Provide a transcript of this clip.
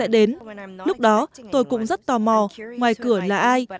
đến lúc đó tôi cũng rất tò mò ngoài cửa là ai